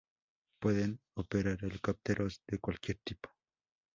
Pueden operar helicópteros de cualquier tipo.